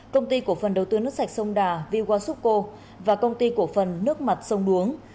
công ty cổ phần đầu tư nước sạch sông đà vwapsupco và công ty cổ phần nước mặt sông đuống